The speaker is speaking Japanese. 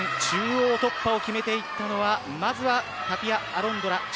中央突破を決めていったのはまずはタピア・アロンドラ。